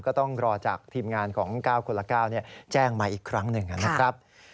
ก็ต้องรอจากทีมงานของ๙คนละ๙แจ้งมาอีกครั้งหนึ่งนะครับ